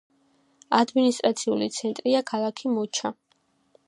ადმინისტრაციული ცენტრია ქალაქი მოჩა.